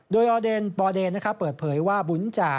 โดยออเดนปอเดนเปิดเผยว่าบุ๋นจ่า